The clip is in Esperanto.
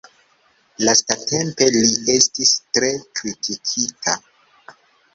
Lastatempe li estis tre kritikita.